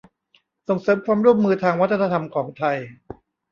ส่งเสริมความร่วมมือทางวัฒนธรรมของไทย